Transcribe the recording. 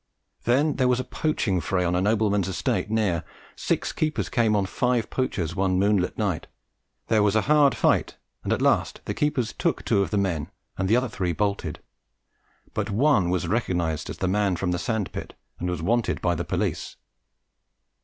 Then there was a poaching fray on a nobleman's estate near. Six keepers came on five poachers one moonlight night. There was a hard fight, and at last the keepers took two of the men and the other three bolted, but one was recognized as the man from the sand pit and was "wanted" by the police.